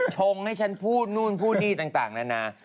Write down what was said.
ชงให้ฉันพูดนู่นพูดนี่ต่างนานา